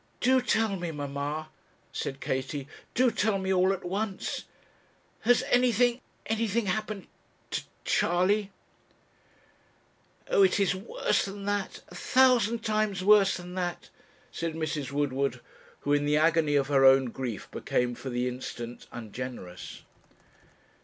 'Do tell me, mamma,' said Katie; 'do tell me all at once. Has anything anything happened to to Charley?' 'Oh, it is worse than that, a thousand times worse than that!' said Mrs. Woodward, who, in the agony of her own grief, became for the instant ungenerous.